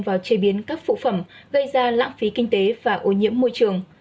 vào chế biến các phụ phẩm gây ra lãng phí kinh tế và ô nhiễm môi trường